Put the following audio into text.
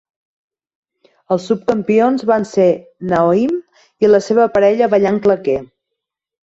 Els subcampions van ser Naoimh i la seva parella ballant claqué.